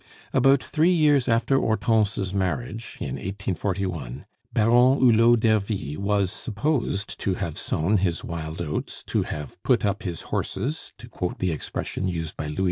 About three years after Hortense's marriage, in 1841, Baron Hulot d'Ervy was supposed to have sown his wild oats, to have "put up his horses," to quote the expression used by Louis XV.